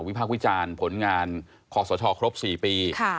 ความผิดวิจารณ์ผลงานขอสชครบ๔ปี